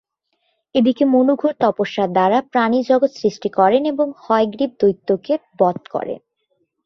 এদিকে মনু ঘোর তপস্যার দ্বারা প্রাণিজগৎ সৃষ্টি করেন এবং হয়গ্রীব দৈত্যকে বধ করেন।